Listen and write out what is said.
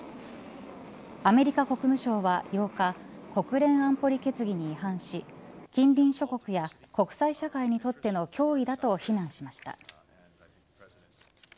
アメリカ国務省は８日国連安保理決議に違反し近隣諸国や国際社会にとっての脅威だと非難しました。